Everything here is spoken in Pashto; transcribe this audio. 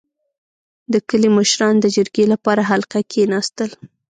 • د کلي مشران د جرګې لپاره حلقه کښېناستل.